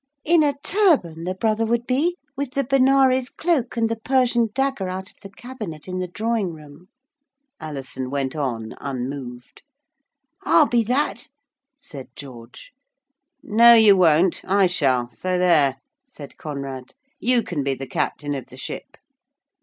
'In a turban the brother would be, with the Benares cloak, and the Persian dagger out of the cabinet in the drawing room,' Alison went on unmoved. 'I'll be that,' said George. 'No, you won't, I shall, so there,' said Conrad. 'You can be the captain of the ship.'